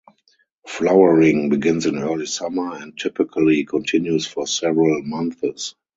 Flowering begins in early summer and typically continues for several months.